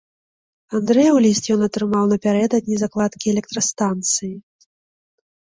Андрэеў ліст ён атрымаў напярэдадні закладкі электрастанцыі.